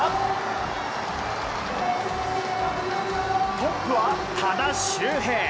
トップは多田修平。